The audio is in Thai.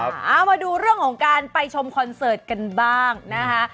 เอามาดูเรื่องของการไปชมคอนเสิร์ตกันบ้างนะคะ